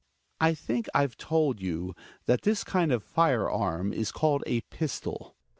I think I've told you, that this kind of fire arm is called a pistol.